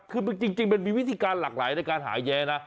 คือจริงมันมีวิธีการหลากหลายในการหาแย้นะ